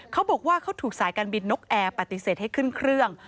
เขาบอกว่าเขาถูกสายการบินนกแอร์ปฏิเสธให้ขึ้นเครื่อง